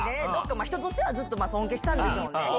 人としてはずっと尊敬してたんでしょうね。